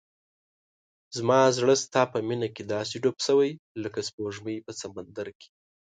زما زړه ستا په مینه کې داسې ډوب شوی لکه سپوږمۍ په سمندر کې.